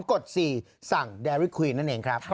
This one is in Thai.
กินไปเพลิน